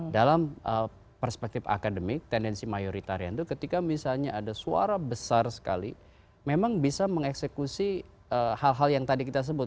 dalam perspektif akademik tendensi mayoritarian itu ketika misalnya ada suara besar sekali memang bisa mengeksekusi hal hal yang tadi kita sebut